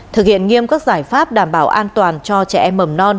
thực hiện nghiêm các giải pháp đảm bảo an toàn cho trẻ em mầm non